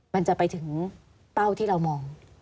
มันจะไปถึงเป้าที่เรามอง